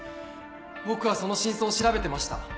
僕はその真相を調べてました。